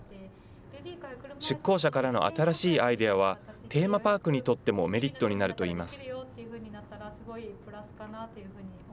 出向者からの新しいアイデアは、テーマパークにとってもメリットになるといいます。